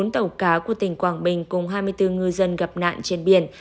bốn tàu cá của tỉnh quảng bình cùng hai mươi bốn ngư dân gặp nạn trên biển